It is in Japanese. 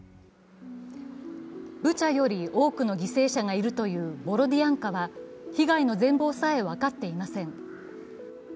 ブチャより多くの犠牲者がいるというボロディアンカは被害の全貌さえ分かっていません。